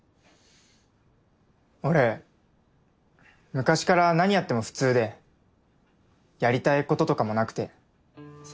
俺昔から何やっても普通でやりたい事とかもなくて。